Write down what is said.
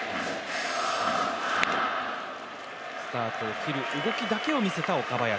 スタートを切る動きだけを見せた岡林。